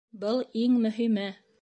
Был — иң мөһиме!